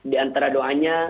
di antara doanya